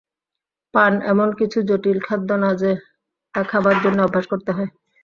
পান এমন কিছু জটিল খাদ্য না যে তা খাবার জন্যে অভ্যাস করতে হয়।